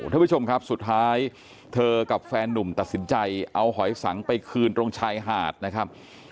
ท่านผู้ชมครับสุดท้ายเธอกับแฟนนุ่มตัดสินใจเอาหอยสังไปคืนตรงชายหาดนะครับ